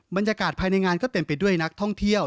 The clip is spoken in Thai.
บรรยากาศภายในงานก็เต็มไปด้วยนักท่องเที่ยว